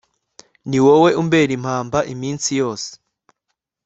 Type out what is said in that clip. ni wowe umbera impamba iminsi yose